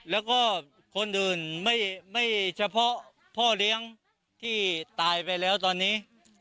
แล้วก็คนอื่นไม่เฉพาะพ่อเลี้ยงที่ตายไปแล้วตอนนี้